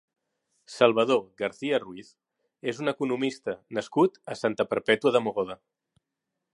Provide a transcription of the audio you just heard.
Salvador Garcia-Ruiz és un economista nascut a Santa Perpètua de Mogoda.